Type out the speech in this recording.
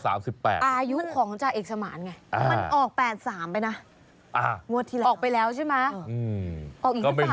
อายุของจักรเอกสมานไงมันออก๘๓ไปนะ